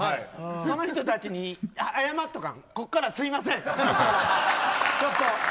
その人たちね、謝っとかこっからすいません。